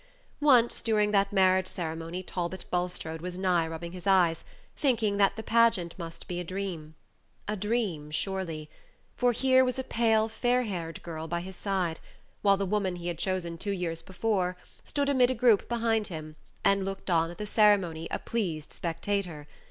Once during that marriage ceremony Talbot Bulstrode was nigh rubbing his eyes, thinking that the pageant must be a dream. A dream surely; for here was a pale, fairhaired girl by his side, while the woman he had chosen two years before stood amid a group behind him, and looked on at the ceremony a pleased spectator.